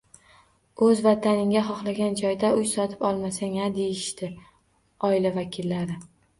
«O‘z Vataningda xohlagan joydan uy sotib ololmasang-a!» – deyishdi oila vakillari